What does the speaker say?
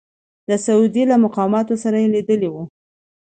د سعودي له مقاماتو سره یې لیدلي وو.